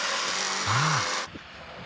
ああ。